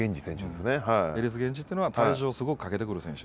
エリス・ゲンジというのは体重をすごくかけてくる選手。